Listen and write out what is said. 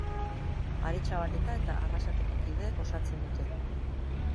Aretxabaleta eta Arrasateko kideek osatzen dute.